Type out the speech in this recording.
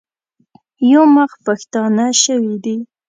یو مخ پښتانه شوي دي.